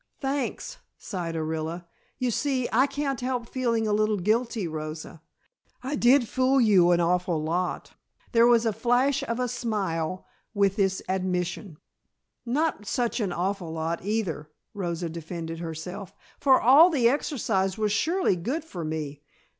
"Thanks," sighed Orilla. "You see, I can't help feeling a little guilty, Rosa. I did fool you an awful lot." There was the flash of a smile with this admission. "Not such an awful lot, either," Rosa defended herself, "for all the exercise was surely good for me.